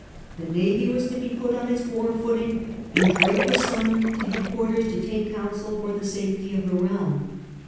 The navy was to be put on its war footing, and Drake was summoned to head quarters to take counsel for the safety of the realm.